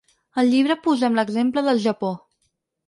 Al llibre posem l’exemple del Japó.